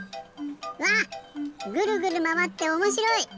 うわっぐるぐるまわっておもしろい！